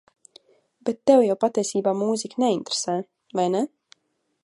Bet tevi jau patiesībā mūzika neinteresē, vai ne?